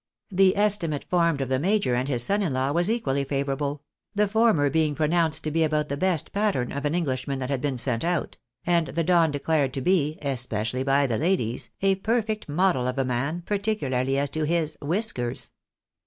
The estimate formed of the major and his son in law was equally favoi; rable ; the former being pronounced to be about the best pattern of an Englishman that had been sent out ; and the Don declared to be, especially by the ladies, a perfect model of a man, particularly as to his " whiskers."